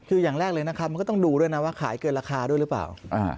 คืออย่างแรกเลยนะครับมันก็ต้องดูด้วยนะว่าขายเกินราคาด้วยหรือเปล่า